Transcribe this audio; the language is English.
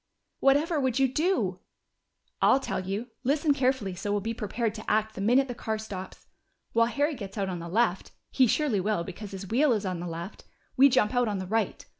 "Whatever would you do?" "I'll tell you. Listen carefully, so we'll be prepared to act the minute the car stops. While Harry gets out on the left he surely will, because his wheel is on the left we jump out on the right.